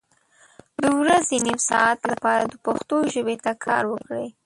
د ورځې نیم ساعت لپاره د پښتو ژبې ته کار وکړئ